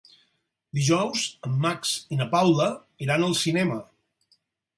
Dijous en Max i na Paula iran al cinema.